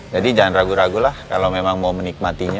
jadi jangan ragu ragu lah kalau memang mau menikmatinya